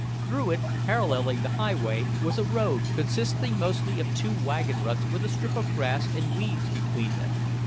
Through it, paralleling the highway, was a road, consisting mostly of two wagon ruts with a strip of grass and weeds between them.